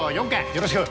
よろしく。